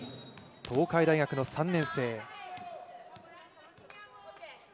東海大学の３年生。